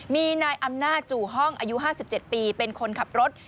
มีนายอำนาจจู่ห้องอายุ๕๗ปีเป็นคนขับรถ